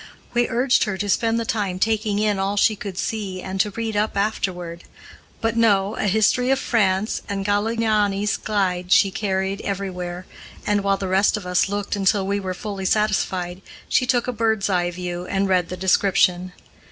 We urged her to spend the time taking in all she could see and to read up afterward; but no, a history of France and Galignani's guide she carried everywhere, and, while the rest of us looked until we were fully satisfied, she took a bird's eye view and read the description.